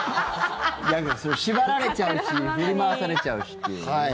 縛られちゃうし振り回されちゃうしっていうね。